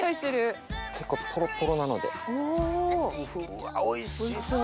うわおいしそう。